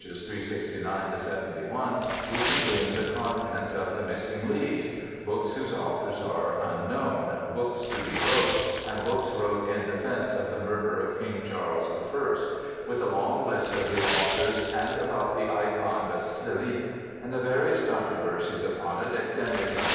369 71, we can glean the contents of the missing leaves — books whose authors are unknown, 'books to be wrote,' and * books wrote in defence of the murder of King Charles I ', with a long list of the authors, and about the Eikon Basilike and the various controversies upon it, extending from pp.